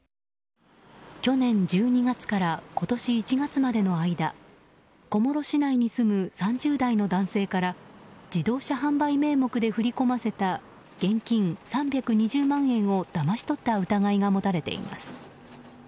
去年１２月から今年１月までの間小諸市内に住む３０代の男性から自動車販売名目で振り込ませた現金３２０万円をだまし取った疑いが持たれています。